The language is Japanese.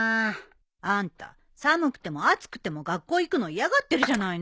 あんた寒くても暑くても学校行くの嫌がってるじゃないの。